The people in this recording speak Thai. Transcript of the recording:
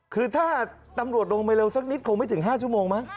คือถ้าตำรวจลงไปเร็วสักนิดคงไม่ถึง๕ชั่วโมงมั้ง